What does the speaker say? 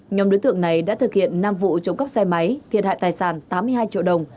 nhóm đối tượng này đã thực hiện năm vụ trộm cắp xe máy thiệt hại tài sản tám mươi hai triệu đồng